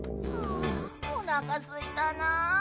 あおなかすいたなあ。